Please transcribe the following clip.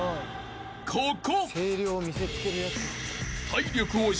ここ。